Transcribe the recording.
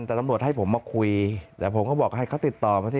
แต่ตำรวจให้ผมมาคุยแต่ผมก็บอกให้เขาติดต่อมาสิ